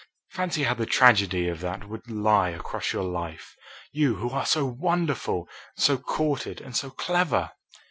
Fancy how the tragedy of that would lie across your life you who are so wonderful and so courted and so clever!"